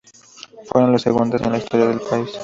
Fueron las segundas en la historia del país.